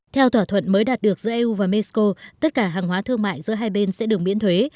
theo thỏa thuận mới đạt được giữa eu và mexico tất cả hàng hóa thương mại giữa hai bên sẽ được miễn thuế